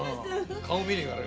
顔見ねえからよ。